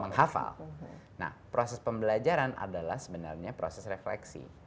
menghafal nah proses pembelajaran adalah sebenarnya proses refleksi